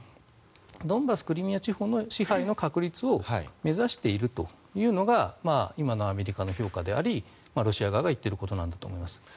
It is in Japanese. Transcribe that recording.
ドンバス、クリミア地方の支配の確立を目指しているというのが今のアメリカの評価でありロシア側が言っていることだと思います。